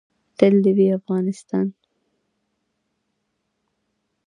تل دې وي افغانستان